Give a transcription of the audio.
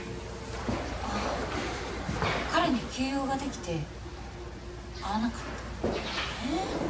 あっ彼に急用ができて会わなかったえっ？